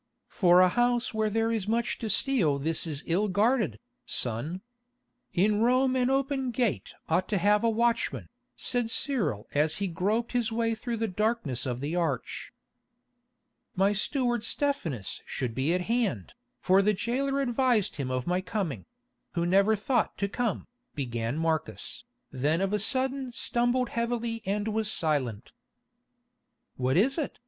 "For a house where there is much to steal this is ill guarded, son. In Rome an open gate ought to have a watchman," said Cyril as he groped his way through the darkness of the arch. "My steward Stephanus should be at hand, for the jailer advised him of my coming—who never thought to come," began Marcus, then of a sudden stumbled heavily and was silent. "What is it?"